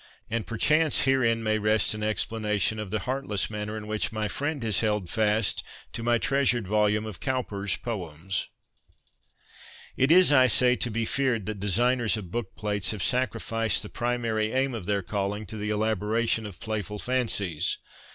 And perchance herein may rest an explanation of the heartless manner in which my friend has held fast to my treasured volume of Cowper's poems. It is, I say, to be feared that designers of book plates have sacrificed the primary aim of their calling to the elaboration of playful fancies.